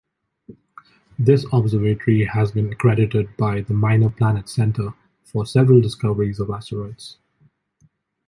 This observatory has been credited by the Minor Planet Center for several discoveries of asteroids.